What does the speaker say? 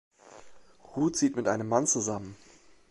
Ruth zieht mit einem Mann zusammen.